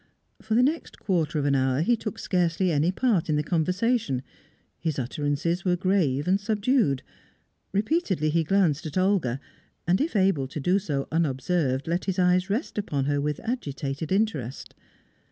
For the next quarter of an hour, he took scarcely any part in the conversation; his utterances were grave and subdued; repeatedly he glanced at Olga, and, if able to do so unobserved, let his eyes rest upon her with agitated interest.